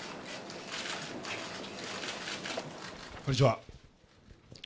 こんにちは。